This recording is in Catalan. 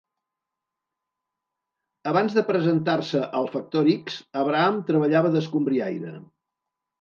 Abans de presentar-se al "Factor X", Abraham treballava d'escombriaire.